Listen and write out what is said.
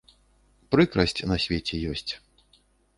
Прыкрасць на свеце ёсць.